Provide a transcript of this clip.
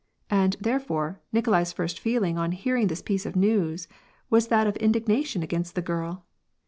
And, therefore, Nikolai's first feeling on hearing this piece of news, was that of indignation against the girl.